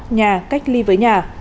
nhà cách ly với nhà